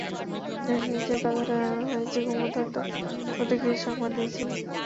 শশীকে যে কথাটা জানানো হইয়াছে, কুমুদ হয়তো মতিকে এ সংবাদ দিয়াছিল।